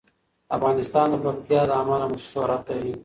افغانستان د پکتیا له امله شهرت لري.